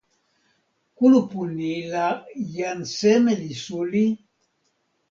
kulupu ni la jan seme li suli?